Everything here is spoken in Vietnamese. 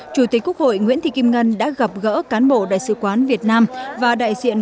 chủ tịch quốc hội nguyễn thị kim ngân đã gặp gỡ cán bộ đại sứ quán việt nam và đại diện